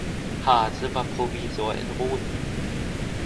Haase war Provisor in Rhoden.